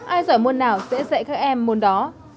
ai giỏi môn nào sẽ dạy các em môn đó